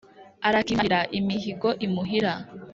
arakimarira imihigo imuhira.